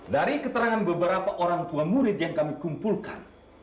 dari keterangan beberapa orang tua murid yang kami kumpulkan